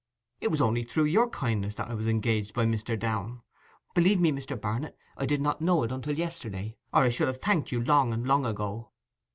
It was through your kindness that I was engaged by Mr. Downe. Believe me, Mr. Barnet, I did not know it until yesterday, or I should have thanked you long and long ago!